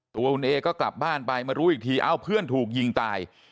ตัวคุณเอก็กลับบ้านไปมารู้อีกทีเอ้าเพื่อนถูกยิงตาย